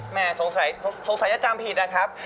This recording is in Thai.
อ๋อแม่สงสัยสงสัยจะจำผิดนะครับ